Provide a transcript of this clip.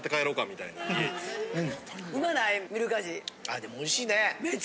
あでもおいしいね。